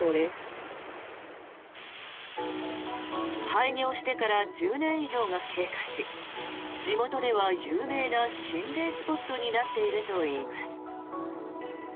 廃業してから１０年以上が経過し地元では有名な心霊スポットになっているといいます。